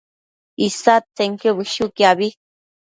isadtsenquio bëshuquiabi